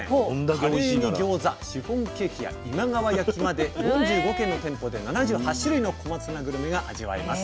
カレーにギョーザシフォンケーキや今川焼きまで４５軒の店舗で７８種類の小松菜グルメが味わえます。